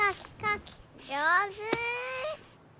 じょうず！